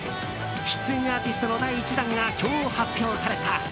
出演アーティストの第１弾が今日発表された。